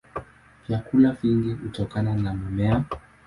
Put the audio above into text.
Vyakula vingi hutokana na mimea.